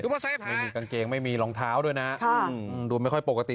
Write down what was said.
ไม่มีกางเกงไม่มีรองเท้าด้วยนะดูไม่ค่อยปกติ